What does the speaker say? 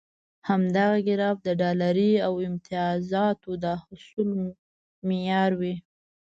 همدغه ګراف د ډالري امتیازاتو د حصول معیار وي.